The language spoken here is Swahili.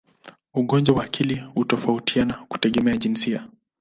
Ugonjwa wa akili hutofautiana kutegemea jinsia.